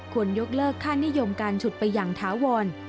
ยกเลิกค่านิยมการฉุดไปอย่างถาวร